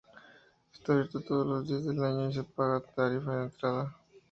Está abierto todos los días del año y se paga una tarifa de entrada.